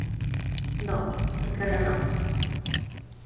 No, encara no.